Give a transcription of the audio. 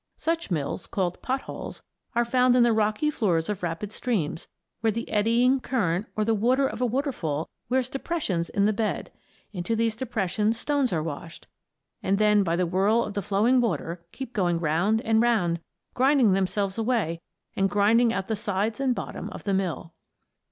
Such mills, called "pot holes," are found in the rocky floors of rapid streams, where the eddying current or the water of a waterfall wears depressions in the bed. Into these depressions stones are washed, and then by the whirl of the flowing water kept going round and round, grinding themselves away and grinding out the sides and bottom of the mill.